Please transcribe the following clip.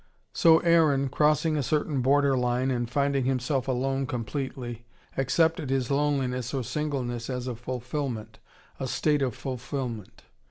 So Aaron, crossing a certain border line and finding himself alone completely, accepted his loneliness or singleness as a fulfilment, a state of fulfilment.